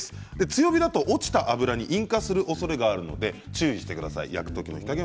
強火だと落ちた脂に引火するおそれがあるので注意してください。